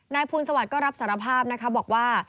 นายภูมิสวัสดิ์ก็รับสารภาพบอกว่า